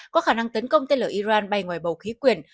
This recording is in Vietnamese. có khả năng tấn công tên lửa iran bay ngoài bầu khí quyền